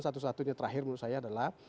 satu satunya terakhir menurut saya adalah